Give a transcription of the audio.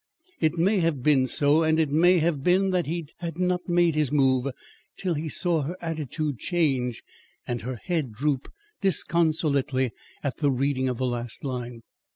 It may have been so, and it may have been that he had not made his move till he saw her attitude change and her head droop disconsolately at the reading of the last line.